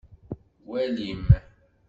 Walim!